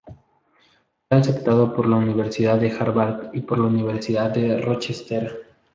Fue aceptado por la Universidad de Harvard y por la Universidad de Rochester.